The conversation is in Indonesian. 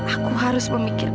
aku harus berhenti mencari riza